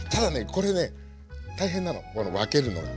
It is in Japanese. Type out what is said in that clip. これね大変なの分けるのが。